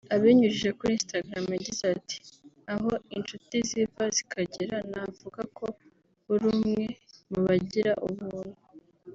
Abinyujije kuri Instagram yagize ati “Aho inshuti ziva zikagera navuga ko uri umwe mu bagira ubuntu